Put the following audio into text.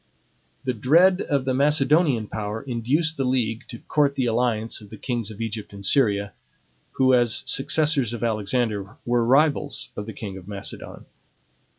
The dread of the Macedonian power induced the league to court the alliance of the Kings of Egypt and Syria, who, as successors of Alexander, were rivals of the king of Macedon.